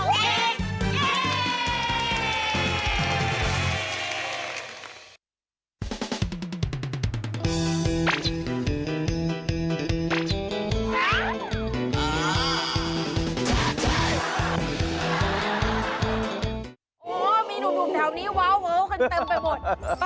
โอ้โหมีหนุ่มแถวนี้ว้าเว้ากันเต็มไปหมด